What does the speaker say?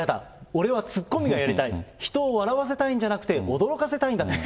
俺はツッコミがやりたい、人を笑わせたいんじゃなくて、驚かせたいんだと。